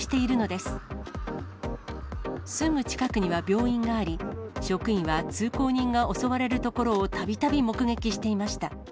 すぐ近くには病院があり、職員は通行人が襲われるところを、たびたび目撃していました。